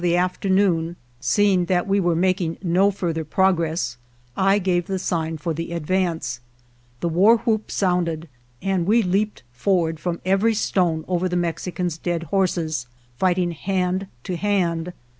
^ t O O 3 ■''■'* HEAVY FIGHTING afternoon, seeing that we were making no further progress, I gave the sign for the advance. The war whoop sounded and we leaped forward from every stone over the Mexicans' dead horses, fighting hand to hand.